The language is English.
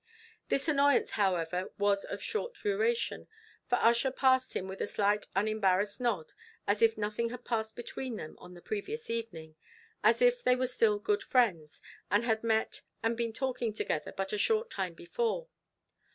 This annoyance, however, was of short duration, for Ussher passed him with a slight unembarrassed nod, as if nothing had passed between them on the previous evening as if they were still good friends, and had met and been talking together but a short time before.